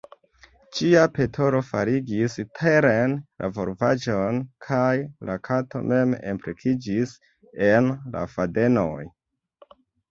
Ĝia petolo faligis teren la volvaĵon kaj la kato mem implikiĝis en la fadenoj.